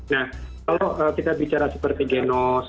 nah kalau kita bicara seperti genos